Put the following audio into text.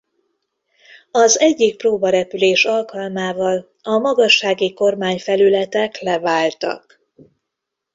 Az egyik próbarepülés alkalmával a magassági kormányfelületek leváltak.